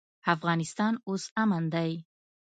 افغانستان اوس امن دی.